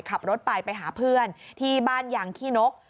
ขับรถไปไปหาเพื่อนที่บ้านยางขี้นก